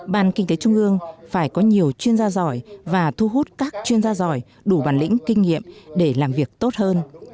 bàn kinh tế trung ương phải có nhiều chuyên gia giỏi và thu hút các chuyên gia giỏi đủ bản lĩnh kinh nghiệm để làm việc tốt hơn